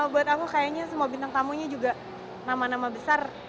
buat aku kayaknya semua bintang tamunya juga nama nama besar